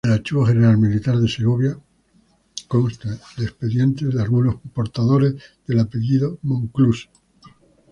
El Archivo General Militar de Segovia constan expedientes de algunos portadores del apellido "Monclús".